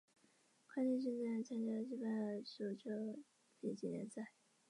非等向性扩散可以用来减少数位影像的杂讯而不会模糊其边界。